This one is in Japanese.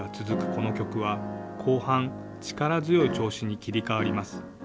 この曲は、後半、力強い調子に切り替わります。